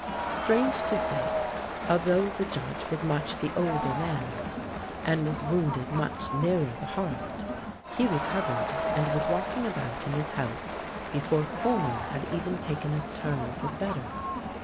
Strange to say, although the Judge was much the older man, and was wounded much nearer the heart, he recovered and was walking about in his house before Coleman had even taken a turn for the better.